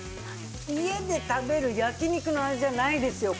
家で食べる焼き肉の味じゃないですよ